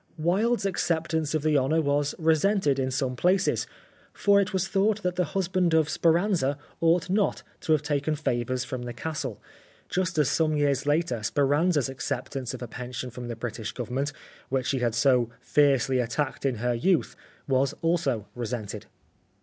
Wilde's acceptance of the honour was resented in some places, for it was thought that the husband of Speranza ought not to have taken favours from the Castle, just as some years later Speranza' s acceptance of a pension from the British Government which she had so fiercely attacked in her youth, was also resented.